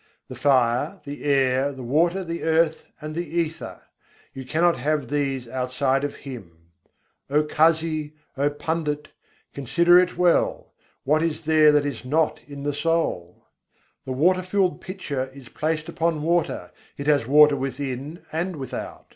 The fire, the air, the water, the earth, and the aether; you cannot have these outside of Him. O, Kazi, O Pundit, consider it well: what is there that is not in the soul? The water filled pitcher is placed upon water, it has water within and without.